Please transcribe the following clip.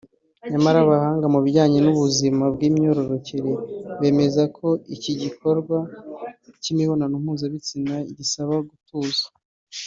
nyamara abahanga mu bijyanye n’ubuzima bw’imyororokere bemeza ko igikorwa kimibonano mpuzabitsina gisaba gutuza